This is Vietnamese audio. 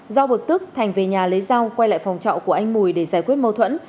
do bực tức thành về nhà lấy dao quay lại phòng trọ của anh mùi để giải quyết mâu thuẫn